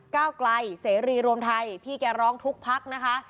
ก้าวไกลเสรีรวมไทยพี่แกร้องทุกพักนะคะ